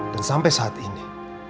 dan sampai saat ini